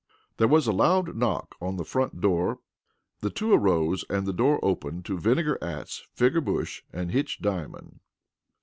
There was a loud knock on the front door. The two arose and the door opened to Vinegar Atts, Figger Bush, and Hitch Diamond.